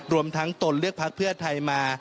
รวมทั้งตนเลือกพักเพื่อไทยมา